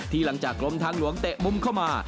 หลังจากกรมทางหลวงเตะมุมเข้ามา